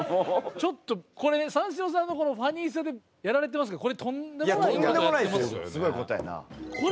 ちょっとこれね三志郎さんのファニーさでやられてますがこれとんでもないことやってますよ。